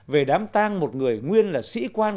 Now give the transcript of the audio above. về đám tang một người nguyên là sĩ quan